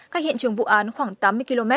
cách hiện trường vụ án khoảng tám mươi km